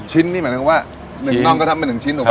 ชิ้นนี่หมายถึงว่า๑นองก็ทำเป็น๑ชิ้นถูกไหม